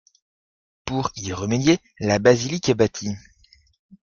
Pour y remédier, la basilique est bâtie.